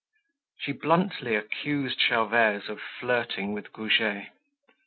She bluntly accused Gervaise of flirting with Goujet.